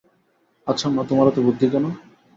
আচ্ছা মা, তোমার এত বুদ্ধি কেন?